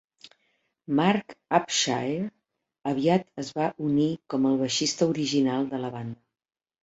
Mark Abshire aviat es va unir com el baixista original de la banda.